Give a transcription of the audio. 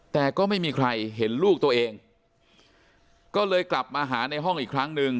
แต่ก็ไม่มีใครเห็นลูกตัวเองก็เลยกลับมาหาในห้องอีกครั้งหนึ่ง